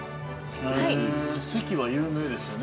◆関は有名ですよね。